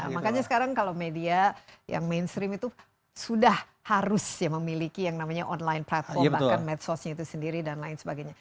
makanya sekarang kalau media yang mainstream itu sudah harus memiliki yang namanya online platform bahkan medsosnya itu sendiri dan lain sebagainya